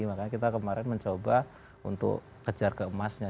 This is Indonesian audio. makanya kita kemarin mencoba untuk kejar ke emasnya